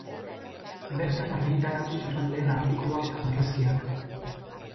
Bertan argitaratu zituen lehen artikuluak eta marrazkiak.